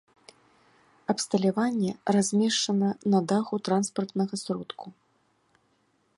Абсталяванне размешчана на даху транспартнага сродку.